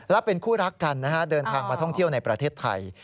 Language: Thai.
และเป็นคู่รักกันนะฮะเดินทางมาท่องเที่ยวในประเทศไทย